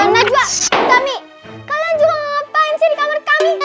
najwa utami kalian juga ngapain sih di kamar kami